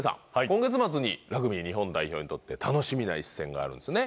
今月末にラグビー日本代表にとって楽しみな一戦があるんですよね？